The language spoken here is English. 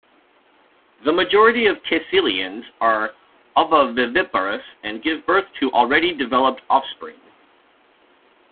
The majority of caecilians are ovoviviparous and give birth to already developed offspring.